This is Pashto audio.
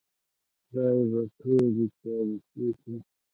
خدای به ټولې چارې ښې کړې